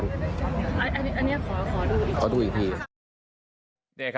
อันนี้ขอดูอีกที